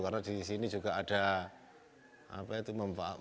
karena di sini juga ada apa itu memanfaatkan